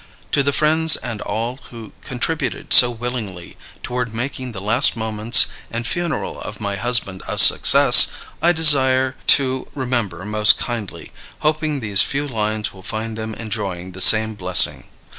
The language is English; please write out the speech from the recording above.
To the friends and all who contributed so willingly toward making the last moments and funeral of my husband a success I desire to remember most kindly, hoping these few lines will find them enjoying the same blessing.